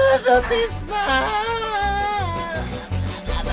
aduh tis nak